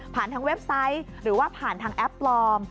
ทางเว็บไซต์หรือว่าผ่านทางแอปปลอม